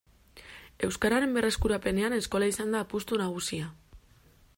Euskararen berreskurapenean eskola izan da apustu nagusia.